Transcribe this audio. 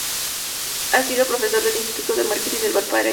Ha sido profesor en el Instituto de Marketing del País Vasco.